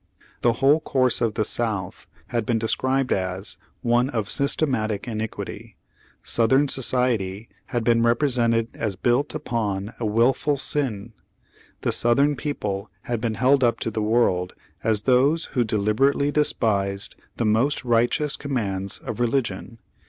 The whole course of the South had been described as one of systematic iniquity; Southern society had been represented as built upon a wilful sin; the Southern people had been held up to the world as those who deliberately despised the most righteous commands of religion.